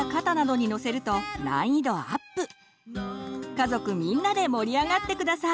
家族みんなで盛り上がって下さい。